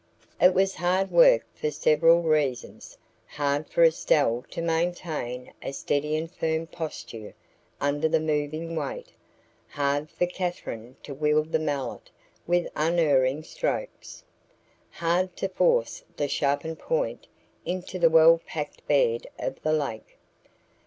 It was hard work for several reasons hard for Estelle to maintain a steady and firm posture under the moving weight, hard for Katherine to wield the mallet with unerring strokes, hard to force the sharpened point into the well packed bed of the lake.